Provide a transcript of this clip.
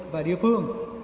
và địa phương